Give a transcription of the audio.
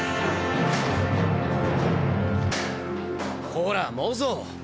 こらモゾ。